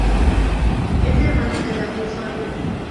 Es hermano de David Soria.